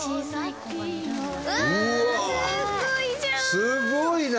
すごいな！